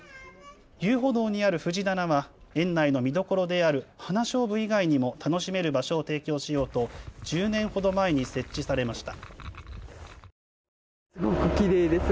遊歩道にある藤棚は園内の見どころであるハナショウブ以外にも楽しめる場所を提供しようと１０年ほど前に設置されました。